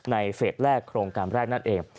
เฟสแรกโครงการแรกนั่นเอง